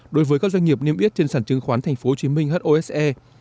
đối với các doanh nghiệp niêm yết trên sản chứng khoán tp hcm hose